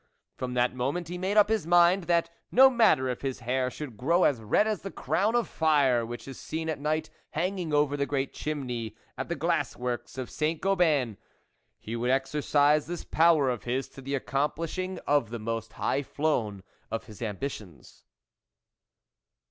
From that moment he made up his mind that, no matter if his hair should grow as red as the crown of fire which is seen at night hanging over the great chimney at the glass works of Saint Gobain, he would exercise this power of his to the accomplishing of the most high flown of his ambitions.